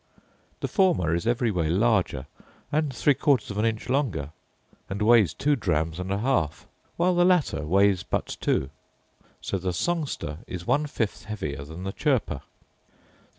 The former is every way larger, and three quarters of an inch longer, and weighs two drams and a half; while the latter weighs but two: so the songster is one fifth heavier than the chirper.